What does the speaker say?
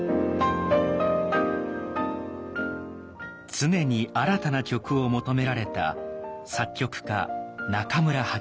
常に新たな曲を求められた作曲家中村八大。